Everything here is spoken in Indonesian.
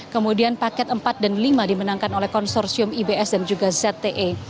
kemudian paket empat dan lima dimenangkan oleh konsorsium ibs dan juga zte